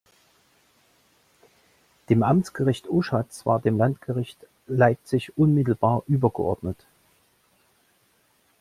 Dem Amtsgericht Oschatz war dem Landgericht Leipzig unmittelbar übergeordnet.